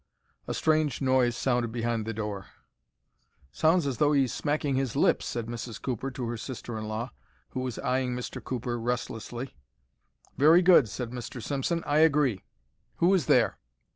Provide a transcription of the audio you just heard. A strange noise sounded behind the door. "Sounds as though he is smacking his lips," said Mrs. Cooper to her sister in law, who was eyeing Mr. Cooper restlessly. "Very good," said Mr. Simpson; "I agree. Who is there?"